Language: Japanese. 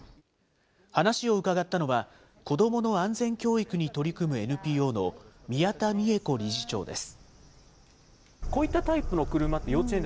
話を伺ったのは、子どもの安全教育に取り組むＮＰＯの宮田美恵子理事長です。